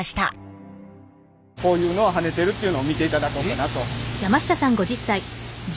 こういうのをはねてるっていうのを見ていただこうかなと。